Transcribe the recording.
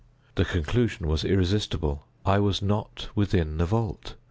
The conclusion was irresistible. I was not within the vault.